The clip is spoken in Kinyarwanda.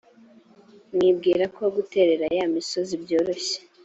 mwibwira ko guterera ya misozi byoroshye.